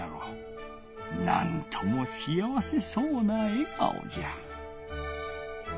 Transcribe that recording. なんともしあわせそうなえがおじゃ。